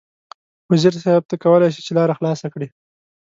وزیر صیب ته کولای شې چې لاره خلاصه کړې.